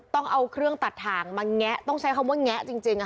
ต้องเอาเครื่องตัดถ่างมาแงะต้องใช้คำว่าแงะจริง